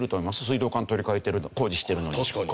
水道管取り換えてる工事してるのに。